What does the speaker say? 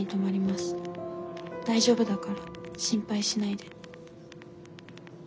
大丈夫だから心配しないで」。